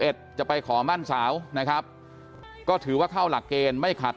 จะไปขอมั่นสาวนะครับก็ถือว่าเข้าหลักเกณฑ์ไม่ขัด